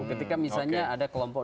ketika misalnya ada kelompok